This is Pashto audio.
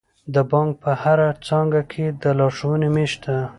د بانک په هره څانګه کې د لارښوونې میز شته.